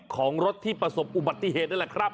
ของรถที่ประสบอุบัติเหตุนั่นแหละครับ